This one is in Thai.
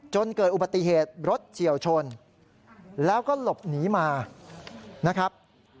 จนเกิดอุบัติเหตุรถเฉียวชนแล้วก็หลบหนีมานะครับ